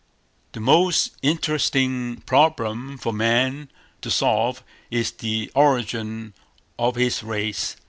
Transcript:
The most interesting problem for man to solve is the origin of his race.